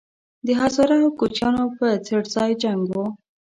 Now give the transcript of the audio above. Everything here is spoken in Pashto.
د هزاره او کوچیانو په څړځای جنګ وو